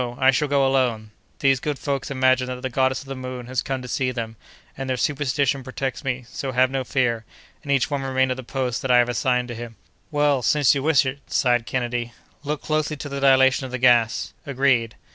I shall go alone; these good folks imagine that the goddess of the moon has come to see them, and their superstition protects me; so have no fear, and each one remain at the post that I have assigned to him." "Well, since you wish it," sighed Kennedy. "Look closely to the dilation of the gas." "Agreed!"